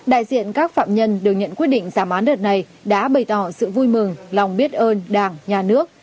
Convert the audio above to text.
đại diện các phạm nhân đều nhận quyết định giảm án đợt này đã bày tỏ sự vui mừng lòng biết ơn đảng nhà nước